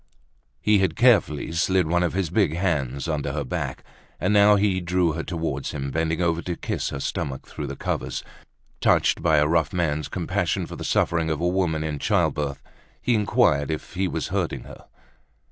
He had carefully slid one of his big hands under her back, and now he drew her toward him, bending over to kiss her stomach through the covers, touched by a rough man's compassion for the suffering of a woman in childbirth. He inquired if he was hurting her.